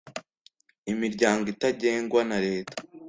imiryango itagengwa na Leta